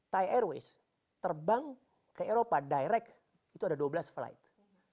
thai airways terbang ke eropa direct itu ada dua belas flight